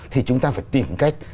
thì chúng ta phải tìm cách